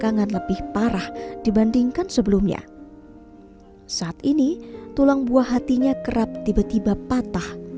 kan lebih parah dibandingkan sebelumnya saat ini tulang buah hatinya kerap tiba tiba patah